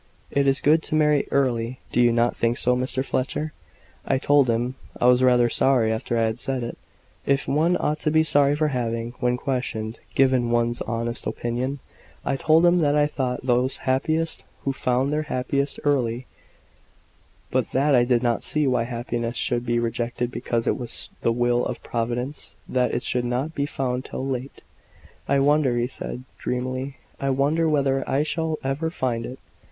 "It is good to marry early; do you not think so, Mr. Fletcher?" I told him (I was rather sorry after I had said it, if one ought to be sorry for having, when questioned, given one's honest opinion) I told him that I thought those happiest who found their happiness early, but that I did not see why happiness should be rejected because it was the will of Providence that it should not be found till late. "I wonder," he said, dreamily, "I wonder whether I shall ever find it."